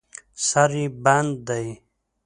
سر یې بند دی.